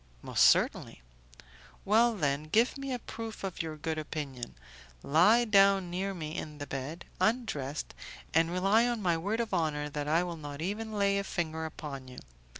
"Most certainly." "Well, then, give me a proof of your good opinion; lie down near me in the bed, undressed, and rely on my word of honour that I will not even lay a finger upon you.